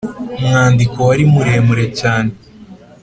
umwandiko wari muremure cyane